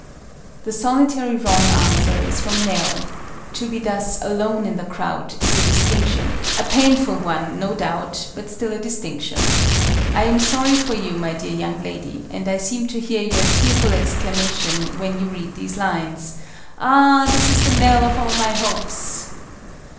The solitary wrong answer is from NELL. To be thus "alone in the crowd" is a distinction a painful one, no doubt, but still a distinction. I am sorry for you, my dear young lady, and I seem to hear your tearful exclamation, when you read these lines, "Ah! This is the knell of all my hopes!"